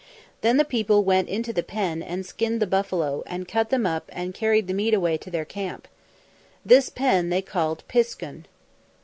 Then the people went into the pen and skinned the buffalo and cut them up and carried the meat away to their camp. This pen they called piskun.